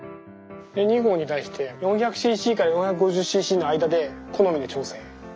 ２合に対して４００ｃｃから４５０ｃｃの間で好みで調整。